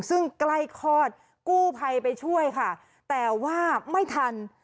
ซึ่งใกล้คลอดกู้ภัยไปช่วยค่ะแต่ว่าไม่ทัน